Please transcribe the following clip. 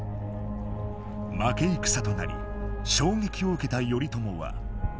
負け戦となり衝撃を受けた頼朝は。